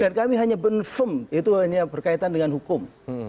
dan kami hanya benfem itu hanya berkaitan dengan hukum